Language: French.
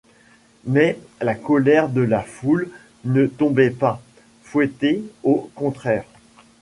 Mais la colère de la foule ne tombait pas, fouettée au contraire.